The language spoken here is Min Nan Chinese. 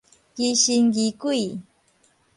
疑神疑鬼